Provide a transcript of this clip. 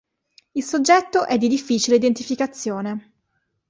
Il soggetto è di difficile identificazione.